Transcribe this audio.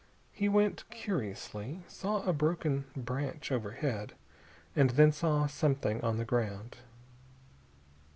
He went curiously, saw a broken branch overhead, and then saw something on the ground.